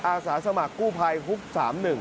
อาสาสมัครกู้ภัยฮุก๓๑